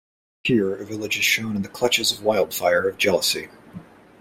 Here a village is shown in the clutches of wildfire of jealousy.